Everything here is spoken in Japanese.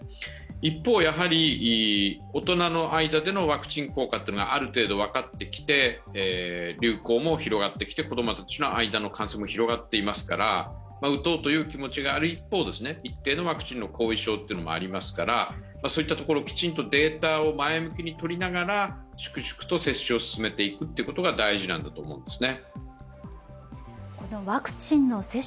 一方、大人の間でのワクチン効果っていうのがある程度、分かってきて流行も広がってきて、子供たちの間の感染も広がっていますから、打とうという気持ちがある一方、一定のワクチンの後遺症もありますからそういったところをきちんとデータを前向きに取りながら粛々と接種を進めていくことが大事だと思います。